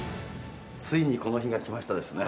ついにこの日が来ましたね